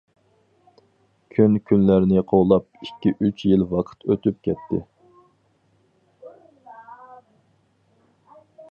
كۈن كۈنلەرنى قوغلاپ ئىككى-ئۈچ يىل ۋاقىت ئۆتۈپ كەتتى.